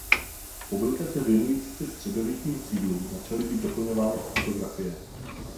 Publikace věnující se středověkým sídlům začaly být doplňovány o fotografie.